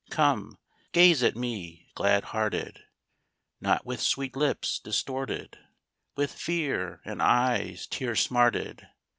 Come, gaze at me glad hearted! Not with sweet lips distorted With fear; and eyes tear smarted!